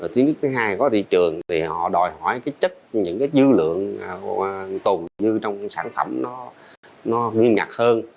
thứ hai có thị trường thì họ đòi hỏi chất những dư lượng tồn dư trong sản phẩm nó nghiêm nhặt hơn